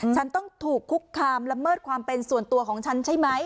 ฉันต้องถูกคุกคามละเมิดความเป็นส่วนตัวของฉันใช่ไหม